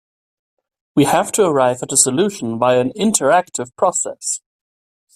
We have to arrive at a solution via an interactive process.